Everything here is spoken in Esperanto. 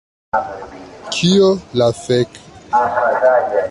Kio la fek?